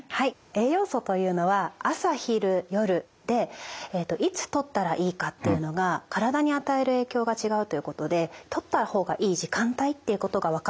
栄養素というのは朝昼夜でいつとったらいいかっていうのが体に与える影響が違うということでとった方がいい時間帯っていうことが分かってきたんですね。